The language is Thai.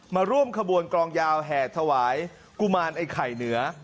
มาร่วมขบวนกลองยาวแห่ถวายกุมารไอ้ไข่เหนือ